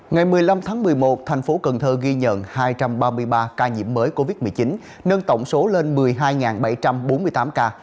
ngày một mươi năm tháng một mươi một thành phố cần thơ ghi nhận hai trăm ba mươi ba ca nhiễm mới covid một mươi chín nâng tổng số lên một mươi hai bảy trăm bốn mươi tám ca